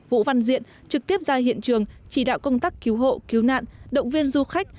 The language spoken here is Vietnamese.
vũ văn diện trực tiếp ra hiện trường chỉ đạo công tác cứu hộ cứu nạn động viên du khách